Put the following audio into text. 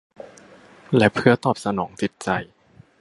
และเพื่อตอบสนองจิตใจ